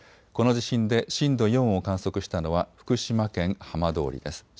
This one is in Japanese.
この地震で震度４を観測したのは福島県浜通りです。